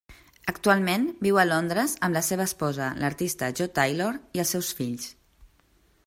Actualment viu a Londres amb la seva esposa, l'artista Jo Taylor, i els seus fills.